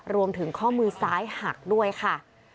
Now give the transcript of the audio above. รวมถึงข้อมือซ้ายหักด้วยค่ะ